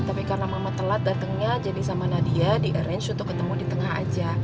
tapi karena mama telat datangnya jadi sama nadia di arrange untuk ketemu di tengah aja